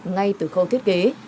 ngay từ khâu thiết kế